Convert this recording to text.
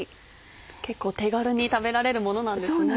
結構手軽に食べられるものなんですね。